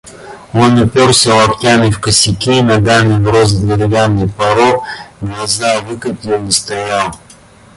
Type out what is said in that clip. Он упёрся локтями в косяки, ногами врос в деревянный порог, глаза выкатил и стоял.